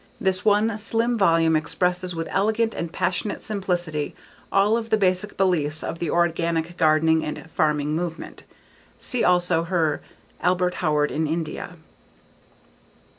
This one, slim volume expresses with elegant and passionate simplicity all of the basic beliefs of the organic gardening and farming movement. See also her _Albert Howard in India.